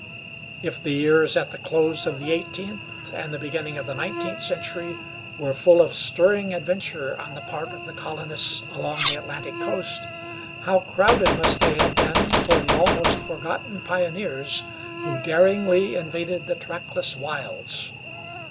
If the years at the close of the eighteenth and the beginning of the nineteenth century were full of stirring adventure on the part of the colonists along the Atlantic coast, how crowded must they have been for the almost forgotten pioneers who daringly invaded the trackless wilds!